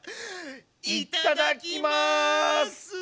いただきます！